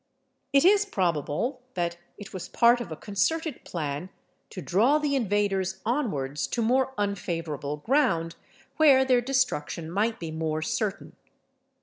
It is probable that it was part of a concerted plan to draw the invaders onwards to more unfavourable ground, where their destruction might be more certain.